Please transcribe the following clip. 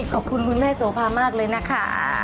ขอบคุณคุณแม่โสภามากเลยนะคะ